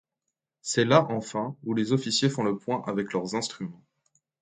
C’est là enfin où les officiers font le point avec leurs instruments.